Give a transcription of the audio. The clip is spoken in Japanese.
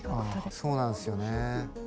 そうなんですよね。